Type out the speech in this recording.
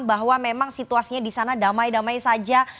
bahwa memang situasinya disana damai damai saja